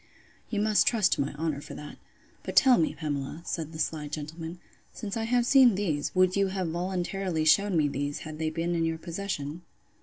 You must trust to my honour for that. But tell me, Pamela, said the sly gentleman, since I have seen these, would you have voluntarily shewn me those, had they been in your possession?